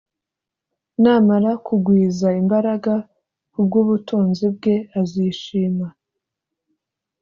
namara kugwiza imbaraga ku bw’ubutunzi bwe azishima